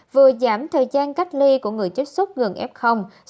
vừa giảm thời gian cách ly của người tiếp xúc gần f xuống còn năm ngày